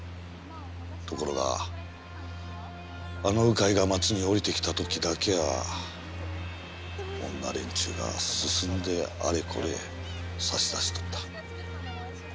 ところがあの鵜飼が町に降りてきた時だけは女連中が進んであれこれ差し出しとった。